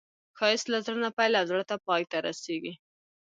ښایست له زړه نه پیل او زړه ته پای ته رسېږي